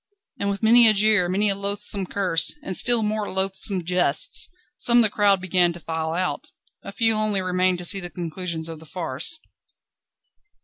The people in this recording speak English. And with many a jeer, many a loathsome curse, and still more loathsome jests, some of the crowd began to file out. A few only remained to see the conclusion of the farce.